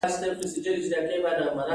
د پاچا د باور وړ کسانو ځمکې ترلاسه کړې.